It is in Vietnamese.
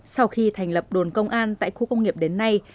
sau khi thành lập đồn công an tại khu công nghiệp đến nay